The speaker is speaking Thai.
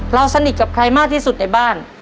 เราสนิทกับใครมากที่สุดในบ้าน